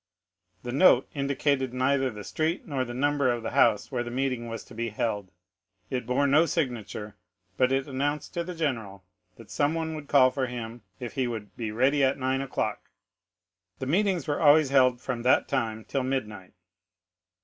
The note indicated neither the street nor the number of the house where the meeting was to be held; it bore no signature, but it announced to the general that someone would call for him if he would be ready at nine o'clock. The meetings were always held from that time till midnight.